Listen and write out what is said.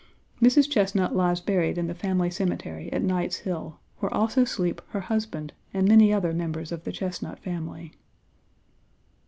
Mrs. Chesnut lies buried in the Page xx family cemetery at Knight's Hill, where also sleep her husband and many other members of the Chesnut family."